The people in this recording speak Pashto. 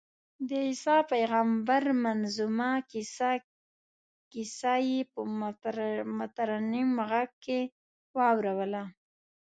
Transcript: د عیسی پېغمبر منظمومه کیسه یې په مترنم غږ کې اورووله.